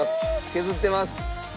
削ってます。